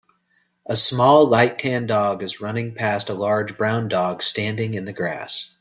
A small light tan dog is running past a large brown dog standing in the grass.